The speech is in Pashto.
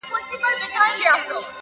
زما اشنا خبري پټي ساتي-